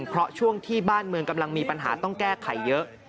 เพราะช่วงที่บ้านเมืองกำลังมีปัญหาต้องแก้ไขเยอะ